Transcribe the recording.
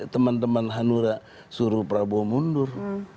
teman teman hanura suruh prabowo mundur